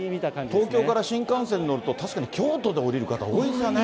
東京から新幹線に乗ると、確かに京都で降りる方、多いですよね。